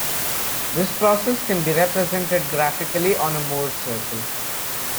This process can be represented graphically on a Mohr's circle.